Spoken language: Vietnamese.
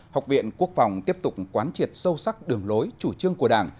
học viện quốc phòng tiếp tục quán triệt sâu sắc đường lối chủ trương của đảng